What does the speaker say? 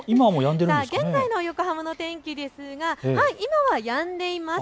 現在の横浜の天気ですが今はやんでいます。